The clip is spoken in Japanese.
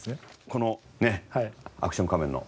このねアクション仮面の。